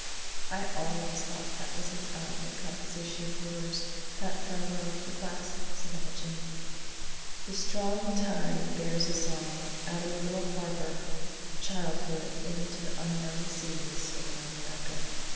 "I always thought that was an elegant composition of yours that farewell to the class," said Emma Jane. "The strong tide bears us on, out of the little harbor of childhood into the unknown seas," recalled Rebecca.